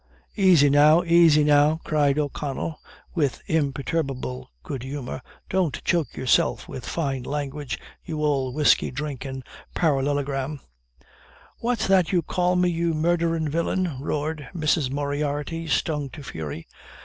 "Easy, now easy, now," cried O'Connell, with imperturbable good humor, "don't choke yourself with fine language, you old whiskey drinking parallelogram." "What's that you call me, you murderin' villian?" roared Mrs. Moriarty, stung to fury.